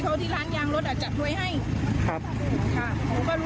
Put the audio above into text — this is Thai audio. เพราะถูกทำร้ายเหมือนการบาดเจ็บเนื้อตัวมีแผลถลอก